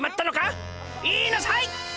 言いなさい！